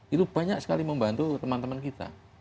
itu banyak sekali membantu teman teman kita